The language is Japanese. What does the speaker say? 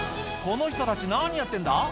この人たち何やってんだ？